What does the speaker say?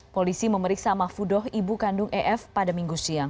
polisi memeriksa mahfudoh ibu kandung ef pada minggu siang